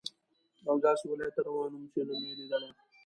یوه داسې ولایت ته روان وم چې نه مې لیدلی.